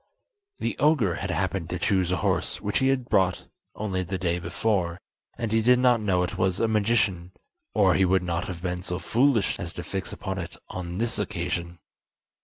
The ogre had happened to choose a horse which he had bought only the day before, and he did not know it was a magician, or he would not have been so foolish as to fix upon it on this occasion.